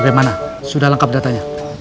bagaimana sudah lengkap datanya